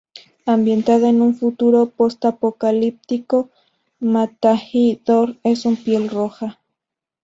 Ambientada en un futuro postapocalíptico, Mathai-Dor es un piel roja...